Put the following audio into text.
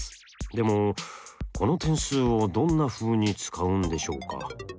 でもこの点数をどんなふうに使うんでしょうか？